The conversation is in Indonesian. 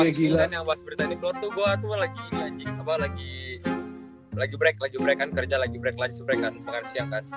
yang pas beritain di plot tuh gue lagi break kan kerja lagi break lanjut break kan